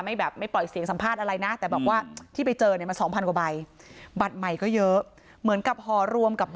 ไม่ปล่อยเสียงสัมภาษณ์อะไรนะ